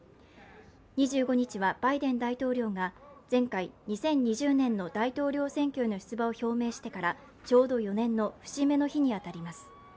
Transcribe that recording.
２５日はバイデン大統領が前回２０２０年の大統領選挙への出馬を表明してから、ちょうど４年の節目の日に当たります。